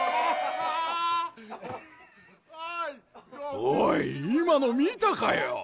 おい今の見たかよ？